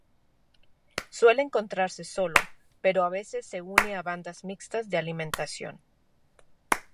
Suele encontrarse solo, pero a veces se une a bandas mixtas de alimentación.